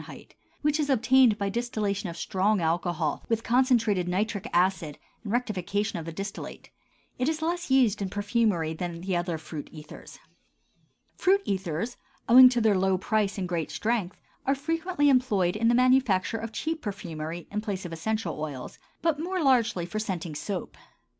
which is obtained by distillation of strong alcohol with concentrated nitric acid and rectification of the distillate; it is less used in perfumery than the other fruit ethers. Fruit ethers, owing to their low price and great strength, are frequently employed in the manufacture of cheap perfumery, in place of essential oils, but more largely for scenting soap.